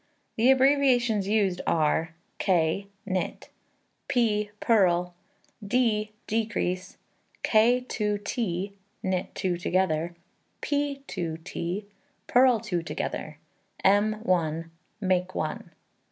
The abbreviations used are: K, knit; P, purl; D. decrease; K 2 t, knit two together; P 2 t, purl 2 together; M 1, make one.